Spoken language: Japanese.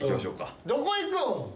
どこ行くん？